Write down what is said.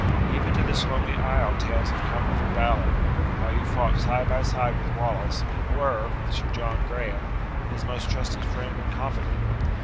Even to this lonely isle tales have come of your valour, how you fought side by side with Wallace, and were, with Sir John Grahame, his most trusty friend and confidant.